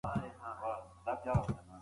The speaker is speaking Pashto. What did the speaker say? بحث او خبرې کول ګټه لري.